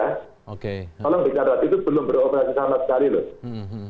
tolong dikarat itu belum beroperasi sama sekali loh